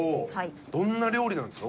どんな料理なんですか？